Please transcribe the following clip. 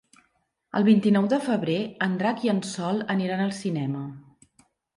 El vint-i-nou de febrer en Drac i en Sol aniran al cinema.